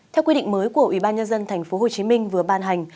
theo quy định mới của ubnd tp hcm vừa ban hành